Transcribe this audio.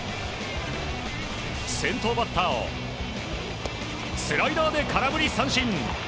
先頭バッターをスライダーで空振り三振。